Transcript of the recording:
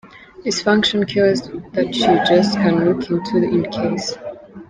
dysfunction cures that you just can look into in case .